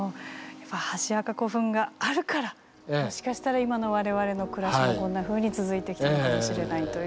箸墓古墳があるからもしかしたら今の我々の暮らしがこんなふうに続いてきたのかもしれないという。